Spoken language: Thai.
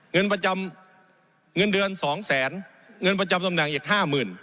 เงินประจำเงินเดือน๒แสนเงินประจำตำแหน่งอีกห้าหมื่น